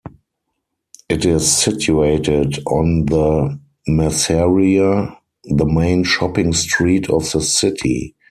It is situated on the Merceria, the main shopping street of the city.